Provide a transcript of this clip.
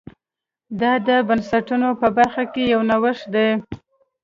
دا د بنسټونو په برخه کې یو نوښت دی